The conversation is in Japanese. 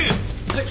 はい。